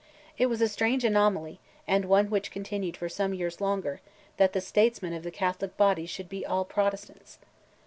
It was a strange anomaly, and one which continued for some years longer, that the statesmen of the Catholic body should be all Protestants.